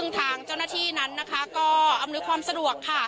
ทางเจ้าหน้าที่นั้นอำนวยความสะดวก